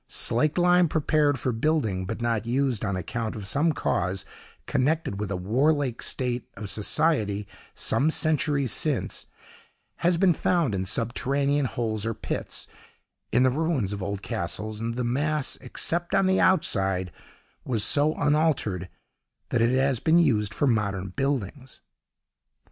Slaked lime prepared for building, but not used, on account of some cause connected with a warlike state of society some centuries since, has been found in subterraneous holes or pits, in the ruins of old castles; and the mass, except on the outside, was so unaltered that it has been used for modern buildings.